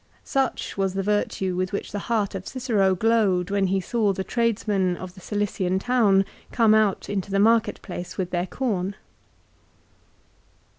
Such was the virtue with which the heart of Cicero glowed when he saw the tradesmen of the Cilician town come out into the market place with their corn.